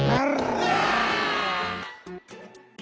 うわ！